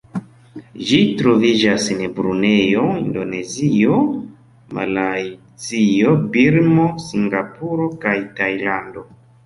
Ĝi troviĝas en Brunejo, Indonezio, Malajzio, Birmo, Singapuro, kaj Tajlando.